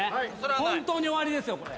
本当に終わりですよこれ。